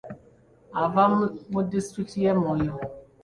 Ava mu disitulikiti y'e Moyo.